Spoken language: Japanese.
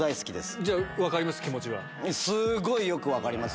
じゃあ分かります？